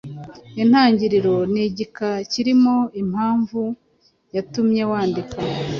Intangiriro: Ni igika kirimo impamvu yatumye wandika.